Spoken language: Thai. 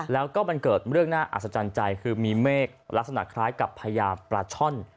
แล้วก็มันเกิดเรื่องน่าอัศจรรย์ใจคือมีเมฆลักษณะคล้ายกับพญาปลาช่อน